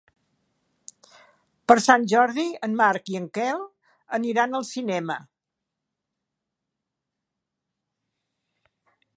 Per Sant Jordi en Marc i en Quel aniran al cinema.